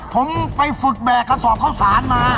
ผมไปฝึกแบกกระสอบข้าวสารมา